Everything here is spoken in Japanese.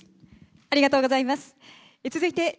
ありがとうございます。